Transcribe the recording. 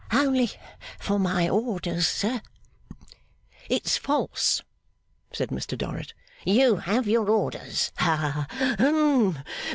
'Only for my orders, sir.' 'It's false,' said Mr Dorrit, 'you have your orders. Ha hum.